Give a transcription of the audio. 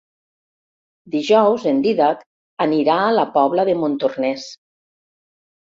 Dijous en Dídac anirà a la Pobla de Montornès.